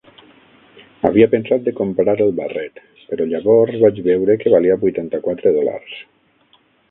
Havia pensat de comprar el barret, però llavors vaig veure que valia vuitanta-quatre dòlars.